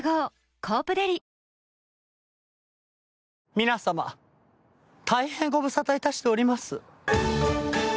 皆様大変ご無沙汰いたしております。